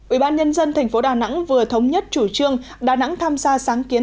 ủy ban nhân dân tp đà nẵng vừa thống nhất chủ trương đà nẵng tham gia sáng kiến